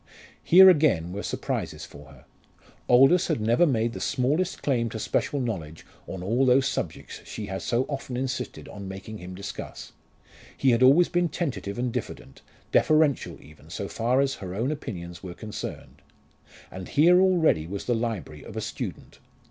Here again were surprises for her. Aldous had never made the smallest claim to special knowledge on all those subjects she had so often insisted on making him discuss. He had been always tentative and diffident, deferential even so far as her own opinions were concerned. And here already was the library of a student.